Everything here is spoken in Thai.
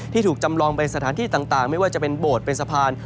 ถูกจำลองเป็นสถานที่ต่างไม่ว่าจะเป็นโบสถ์เป็นสะพาน